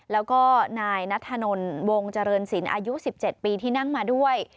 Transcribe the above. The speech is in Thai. แล้วก็นายนัทธนลวงเจริญศิลป์อายุ๑๗ปีที่นั่งมาด้วย